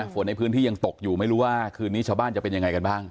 ฝนในพื้นที่ยังตกอยู่ไม่รู้ว่าคืนนี้ชาวบ้านจะเป็นยังไงกันบ้าง